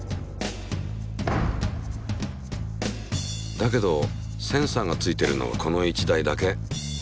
だけどセンサーがついているのはこの１台だけ。